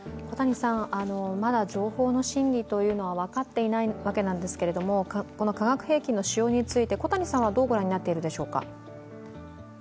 まだ情報の真偽というのは分かっていないわけですがこの化学兵器の使用について小谷さんはどう御覧になっているでしょうか？